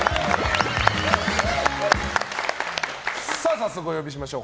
早速お呼びしましょう。